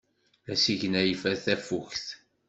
Asigna yeffer tafukt.